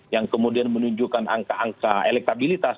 yang kemudian menunjukkan angka angka elektabilitas